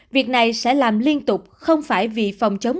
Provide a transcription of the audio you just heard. việc này sẽ làm liên tục không phải vì phòng chống